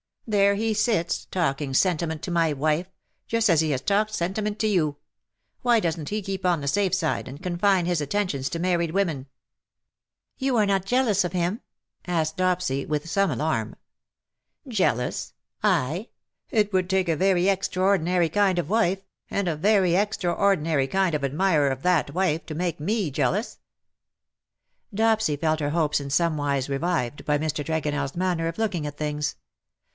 There he sits, talking sentiment to my wife — ^just as he has talked sentiment to you. Why doesn't he keep on the safe side, and confine his attentions to married women?" '* You are not jealous of him?" asked Dopsy, with some alarm. ^* WHO KNOWS NOT CIRCE ?" 257 ^^ Jealous ! I ! It would take a very extraordi nary kind of wife^ and a very extraordinary kind of admirer of that wife^ to make me jealous/" Dopsy felt her hopes in somewise revived by Mr. TregonelFs manner of looking at things.